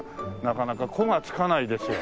なかなか「子」が付かないですよね。